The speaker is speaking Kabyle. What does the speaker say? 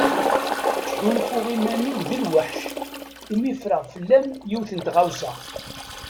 Ttḥulfuɣ iman-iw d lwaḥc imi ffreɣ fell-am yiwet n tɣawsa.